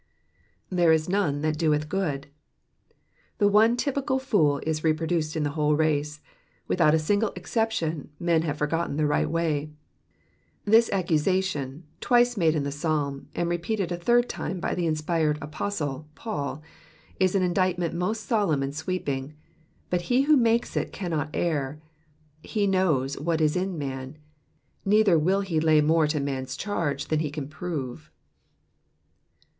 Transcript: ^^ There is none that dotth good,^"* The one typical fool is reproduced in the whole race ; without a single exception men have forgotten the right way. This accusation twice made in the Psalm, and repeated a third time by the inspired apostle Paul, is an indictment most solemn and sweeping, but he who makes it cannot err, he knows what is in man; neither will he lay more to man's charge than he can prove.